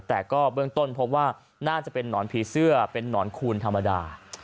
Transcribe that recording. แต่ก็เบื้องต้นพบว่าน่าจะเป็นนอนผีเสื้อเป็นนอนคูณธรรมดา